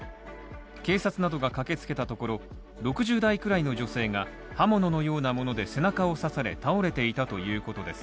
警察などが駆けつけたところ、６０代くらいの女性が刃物のようなもので背中を刺され倒れていたということです。